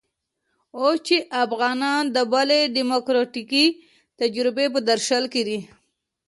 اوس چې افغانان د بلې ډيموکراتيکې تجربې په درشل کې دي.